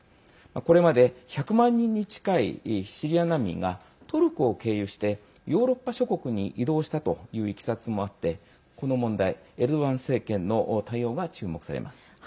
これまで１００万人に近いシリア難民が、トルコを経由してヨーロッパ諸国に移動したといういきさつもあってこの問題エルドアン政権の対応が注目されます。